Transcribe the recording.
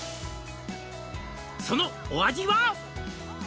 「そのお味は？」